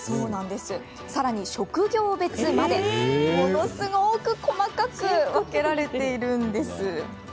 さらに職業別まで、ものすごく細かく分けられているんです。